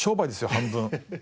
半分。